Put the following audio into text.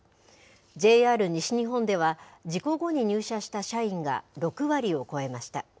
ＪＲ西日本では、事故後に入社した社員が６割を超えました。